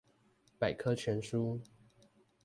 百科全書